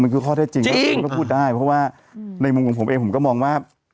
มันคือข้อแท้จริงจริงก็พูดได้เพราะว่าในมุมผมเองผมก็มองว่ามันควร